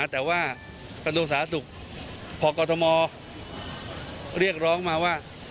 แต่ว่ากระทรวงสาธารณสุขพอกรทมเรียกร้องมาว่า